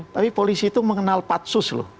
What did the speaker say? tapi polisi itu mengenal patsus loh